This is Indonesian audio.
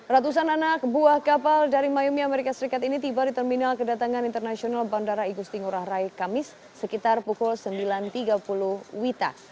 ratusan anak buah kapal dari miami amerika serikat ini tiba di terminal kedatangan internasional bandara igusti ngurah rai kamis sekitar pukul sembilan tiga puluh wita